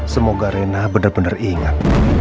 semoga rena benar benar ingat